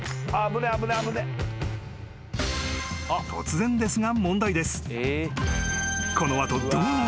［突然ですが問題です］